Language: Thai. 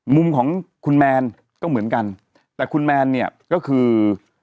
มุมของคุณแมนก็เหมือนกันแต่คุณแมนเนี่ยก็คือ